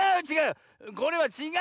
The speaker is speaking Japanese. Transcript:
これはちがうのよ。